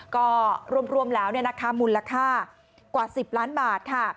ก็รวมแล้วมูลค่ากว่า๑๐ล้านบาทค่ะ